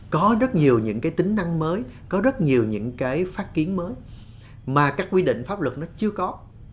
có rất nhiều những cái tính năng mới có rất nhiều những cái phát kiến mới mà các quy định pháp luật nó chưa có